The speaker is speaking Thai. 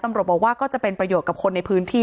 ตำรวจบอกว่าก็จะเป็นประโยชน์กับคนในพื้นที่